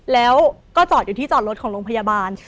แล้วก็จอดอยู่ที่จอดรถของโรงพยาบาล